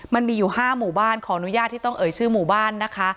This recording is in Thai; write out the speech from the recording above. มันมีอยู่๕หมู่บ้านขออนุญาตที่ต้องเอ่ยชื่อหมู่บ้านนะคะ